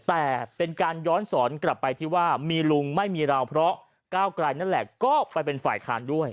แต่เป็นการย้อนสอนกลับไปที่ว่ามีลุงไม่มีเราเพราะก้าวไกลนั่นแหละก็ไปเป็นฝ่ายค้านด้วย